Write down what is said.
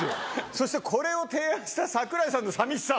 そしてこれを提案した櫻井さんのさみしさ。